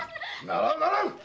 ならんならん！